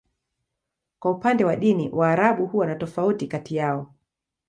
Kwa upande wa dini, Waarabu huwa na tofauti kati yao.